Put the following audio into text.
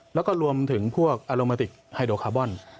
แล้วก็รวมถึงพวกอโรแมติกไฮโดคาร์บอน